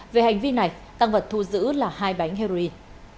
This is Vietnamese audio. về hành vi này tăng vật thu giữ là hai bánh heroin